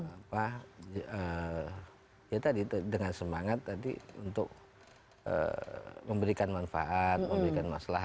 apa ya tadi dengan semangat tadi untuk memberikan manfaat memberikan masalah